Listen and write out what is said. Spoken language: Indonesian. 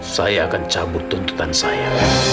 saya akan cabut tuntutan saya